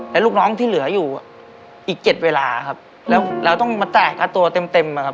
แล้วลูกน้องที่เหลืออยู่อีกเก็บเวลาแล้วเราต้องมาใจคาตัวเต็ม